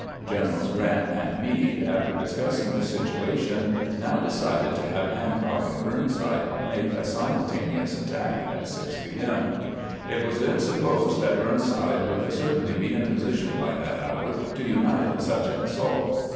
Generals Grant and Meade, after discussing the situa 62 CAMPAIGNING WITH GEANT tion, now decided to have Hancock and Burnside make a simultaneous attack at 6 p. M. It was then supposed that Burnside would certainly be in position by that hour to unite in such an assault.